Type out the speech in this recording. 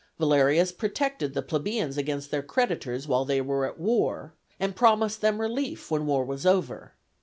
Valerius protected the plebeians against their creditors while they were at war, and promised them relief when war was over.